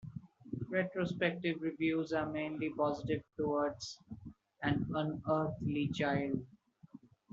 Retrospective reviews are mainly positive towards "An Unearthly Child".